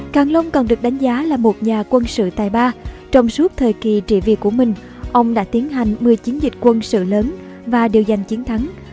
càng long còn được đánh giá là một nhà quân sự tài ba trong suốt thời kỳ trị việc của mình ông đã tiến hành một mươi chiến dịch quân sự lớn và đều giành chiến thắng